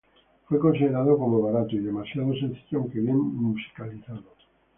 Fue considerado como "barato" y demasiado sencillo aunque bien musicalizado.